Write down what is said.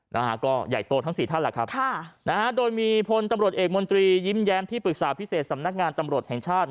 นะฮะก็ใหญ่โตทั้งสี่ท่านแหละครับค่ะนะฮะโดยมีพลตำรวจเอกมนตรียิ้มแย้มที่ปรึกษาพิเศษสำนักงานตำรวจแห่งชาติ